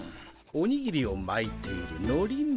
おにぎりをまいているのりね。